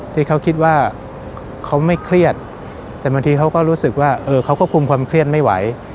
ที่เขาคิดว่าเขาไม่เครียดแต่บางทีเขาก็รู้สึกว่าเออเขาควบคุมความเครียดไม่ไหว